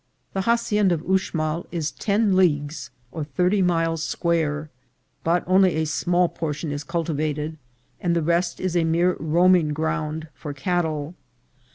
The hacienda of Uxmal is ten leagues or thirty miles square, but only a small portion is cultivated, and the rest is a mere roaming ground for cattle.